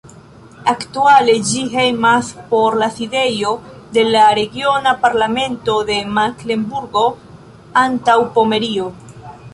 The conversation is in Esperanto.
Aktuale ĝi hejmas por la sidejo de la Regiona Parlamento de Meklenburgo-Antaŭpomerio.